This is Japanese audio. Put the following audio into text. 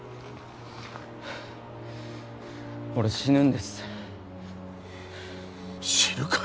俺死ぬんです知るかよ